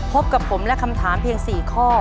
พบกับผมและคำถามเพียง๔ข้อ